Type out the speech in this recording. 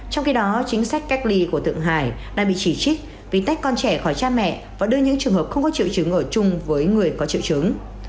trong khi đó chính sách cách ly của tượng hải đã bị chỉ trích vì tách con trẻ khỏi cha mẹ và đưa những trường hợp không có triệu chứng ở chung với người có triệu chứng